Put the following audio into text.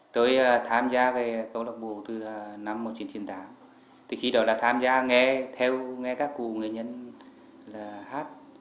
tôi tham gia câu lạc bộ từ năm một nghìn chín trăm chín mươi tám khi đó là tham gia nghe các cụ người nhân hát